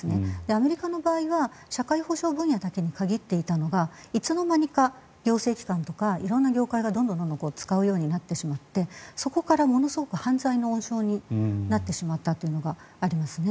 アメリカの場合は社会保障分野だけに限っていたのがいつの間にか行政機関とか色んな業界がどんどん使うようになってしまってそこからものすごく犯罪の温床になってしまったというのがありますね。